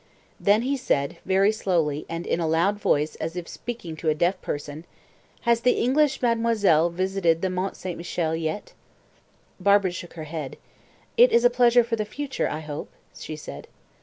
Then he said very slowly, and in a loud voice as if speaking to a deaf person, "Has the English mademoiselle visited the Mont St. Michel yet?" Barbara shook her head. "It is a pleasure for the future, I hope," she said.